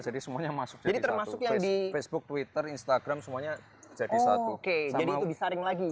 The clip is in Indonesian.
jadi semuanya masuk jadi termasuk yang di facebook twitter instagram semuanya jadi satu oke jadi disaring